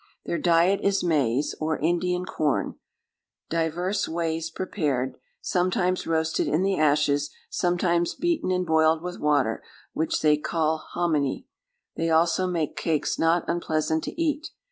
"Their diet is maize, or Indian corn, divers ways prepared; sometimes roasted in the ashes; sometimes beaten and boiled with water, which they call homine; they also make cakes not unpleasant to eat.